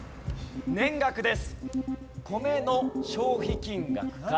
年額です。